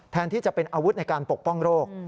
แทนที่จะเป็นอาวุธในการปกป้องโรค